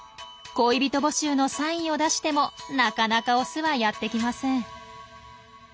恋人募集のサインを出してもなかなかオスはやってきません。